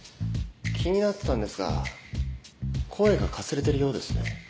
気になってたんですが声がかすれてるようですね。